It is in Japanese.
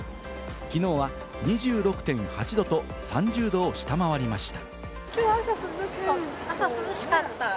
きのうは２６．８度と、３０度を下回りました。